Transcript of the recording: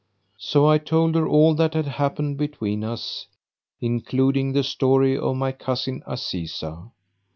So I told her all that had happened between us, including the story of my cousin Azizah.